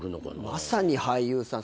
まさに俳優さん。